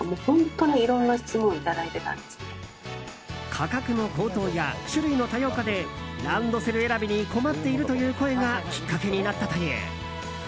価格の高騰や種類の多様化でランドセル選びに困っているという声がきっかけになったという。